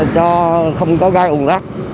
cho không có gai ủng rắc